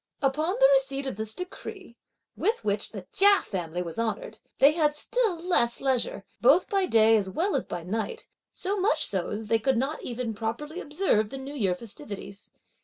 Upon the receipt of this decree, with which the Chia family was honoured, they had still less leisure, both by day as well as by night; so much so that they could not even properly observe the new year festivities.